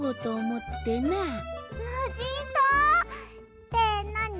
ってなに？